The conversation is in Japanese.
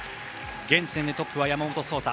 現時点でトップは山本草太。